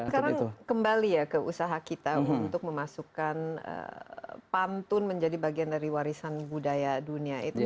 sekarang kembali ya ke usaha kita untuk memasukkan pantun menjadi bagian dari warisan budaya dunia itu